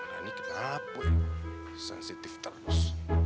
nah ini kenapa ya sensitif terus